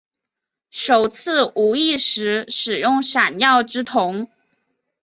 首次无意识使用闪耀之瞳。